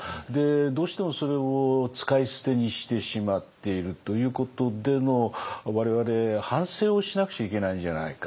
どうしてもそれを使い捨てにしてしまっているということでの我々反省をしなくちゃいけないんじゃないか。